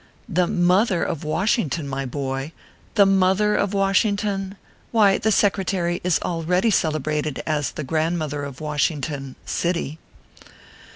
The mother of Washington, my boy ! the MOTHER of Washington ! why, the Secretary is already cele brated as the grandmother of Washington city.